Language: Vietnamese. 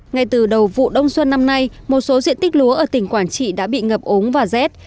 ngay từ đầu vụ đông xuân năm nay một số diện tích lúa ở tỉnh quảng trị đã bị ngập ống và rét